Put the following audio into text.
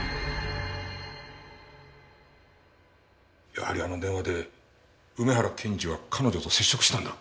やはりあの電話で梅原検事は彼女と接触したんだ。